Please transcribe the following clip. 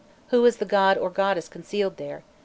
Who is the god or goddess concealed there?